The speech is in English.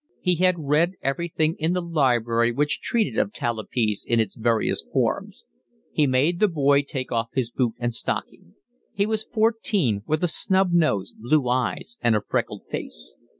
He had read everything in the library which treated of talipes in its various forms. He made the boy take off his boot and stocking. He was fourteen, with a snub nose, blue eyes, and a freckled face.